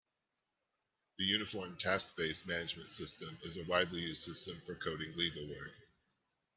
The Uniform Task-Based Management System is a widely used system for coding legal work.